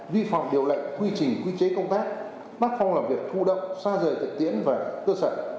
vi phòng điều lệnh quy trình quy chế công tác bác phòng làm việc thu động xa rời thực tiễn và cơ sở